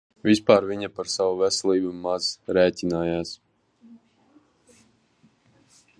Vispār viņa par savu veselību maz rēķinājās.